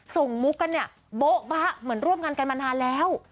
มุกกันเนี่ยโบ๊ะบะเหมือนร่วมงานกันมานานแล้ว